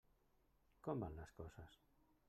Com van les coses?